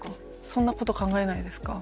そんな事考えないですか？